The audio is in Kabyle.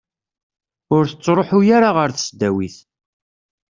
Ur tettruḥu ara ɣer tesdawit.